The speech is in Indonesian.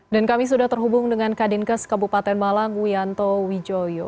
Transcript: dan kami sudah terhubung dengan kadinkas kabupaten malang wianto wijoyo